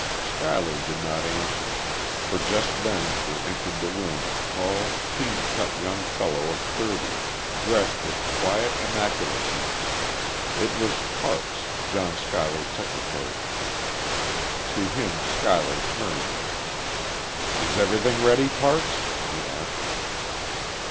Schuyler did not answer; for just then there entered the room a tall, clean cut young fellow of thirty, dressed with quiet immaculacy. It was Parks, John Schuyler's secretary. To him Schuyler turned. "Is everything ready, Parks?" he asked.